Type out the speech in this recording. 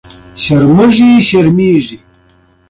جمال خان هم له خپلې کورنۍ څخه خبر نه و